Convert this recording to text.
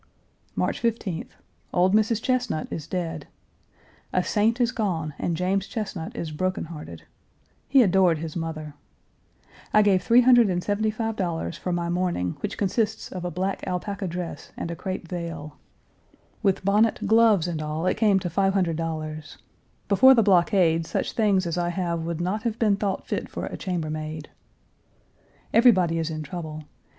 March 15th. Old Mrs. Chesnut is dead. A saint is gone and James Chesnut is broken hearted. He adored his mother. I gave $375 for my mourning, which consists of a black alpaca dress and a crepe veil. With bonnet, gloves, and all Page 300 it came to $500. Before the blockade such things as I have would not have been thought fit for a chamber maid. Everybody is in trouble.